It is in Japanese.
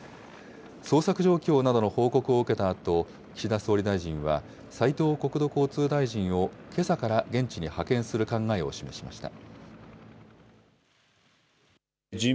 捜索状況などの報告を受けたあと、岸田総理大臣は斉藤国土交通大臣をけさから現地に派遣する考えを示しました。